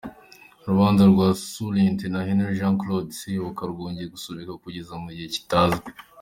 Urubanza rwa Sous-Lieutenant Henry Jean Claude Seyoboka rwongeye gusubikwa kugeza mu gihe kitazwi.